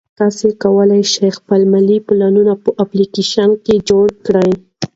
تاسو کولای شئ خپل مالي پلانونه په اپلیکیشن کې جوړ کړئ.